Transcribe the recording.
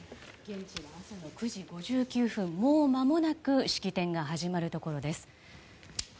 ３時５９分もうまもなく式典が始まるところです。